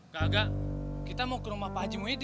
gagak kita mau ke rumah pak haji muhyiddin